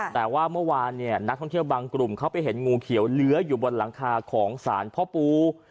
แต่ว่าเมื่อวานเนี่ยนักท่องเที่ยวบางกลุ่มเขาไปเห็นงูเขียวเลื้ออยู่บนหลังคาของศาลพ่อปู